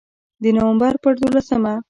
د نومبر په دولسمه